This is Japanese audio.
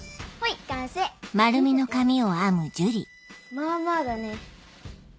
まあまあだね。